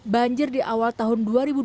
banjir di awal tahun dua ribu dua puluh